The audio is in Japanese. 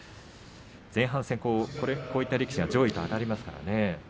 前半戦、こういった力士が上位とあたりますからね。